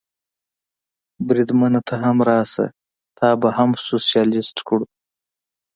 بریدمنه، ته هم راشه، تا به هم سوسیالیست کړو.